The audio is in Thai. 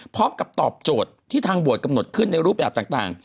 ตอบโจทย์ที่ทางบวชกำหนดขึ้นในรูปแบบต่าง